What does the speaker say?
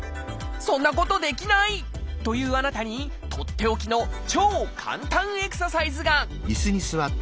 そんなことできない！というあなたにとっておきの超簡単エクササイズが！